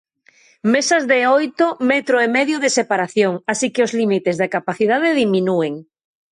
Mesas de oito, metro e medio de separación... así que os límites de capacidade diminúen.